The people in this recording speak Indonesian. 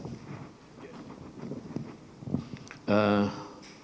saya tidak tahu